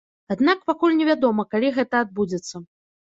Аднак пакуль невядома, калі гэта адбудзецца.